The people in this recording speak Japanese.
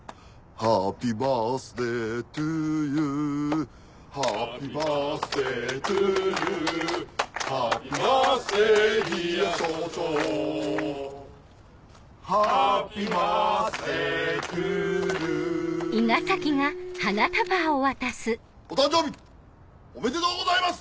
ハッピーバースデートゥーユーお誕生日おめでとうございます！